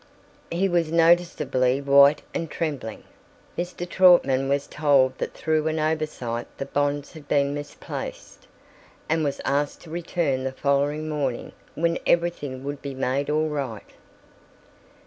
He was noticeably white and trembling. Mr. Trautman was told that through an oversight the bonds had been misplaced, and was asked to return the following morning, when everything would be made all right.